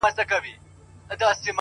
څښل مو تويول مو شرابونه د جلال!!